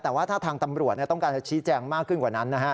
แต่ว่าถ้าทางตำรวจต้องการจะชี้แจงมากขึ้นกว่านั้นนะฮะ